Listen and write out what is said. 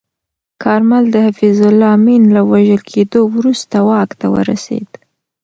کارمل د حفیظالله امین له وژل کېدو وروسته واک ته ورسید.